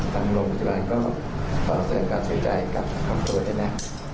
ทางโรงพิจารณ์ก็ขอแสดงการเศร้าใจกับความโทษให้แน่